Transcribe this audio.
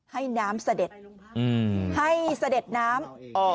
ให้น้ำเสด็จให้เสด็จน้ำ